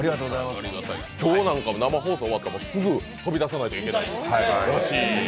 今日なんかも生放送終わったすぐ飛び出さないといけない。